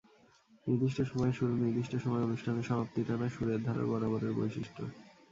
নির্দিষ্ট সময়ে শুরু, নির্দিষ্ট সময়ে অনুষ্ঠানের সমাপ্তি টানা সুরের ধারার বরাবরের বৈশিষ্ট্য।